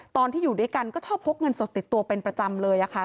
ตอนที่อยู่ด้วยกันก็ชอบพกเงินสดติดตัวเป็นประจำเลยค่ะ